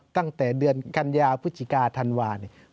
ตั้งแต่เดือนกันยาพฤศจิกาธันวาเนี่ย